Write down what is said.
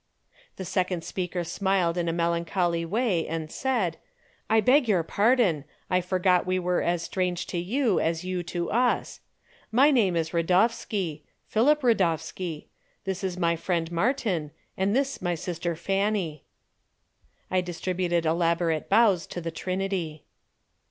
The second speaker smiled in a melancholy way and said, "I beg you pardon, I forgot we were as strange to you as you to us. My name is Radowski, Philip Radowski; this is my friend Martin, and this my sister Fanny." I distributed elaborate bows to the trinity.